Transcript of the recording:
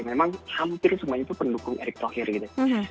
memang hampir semuanya itu pendukung eric thauhir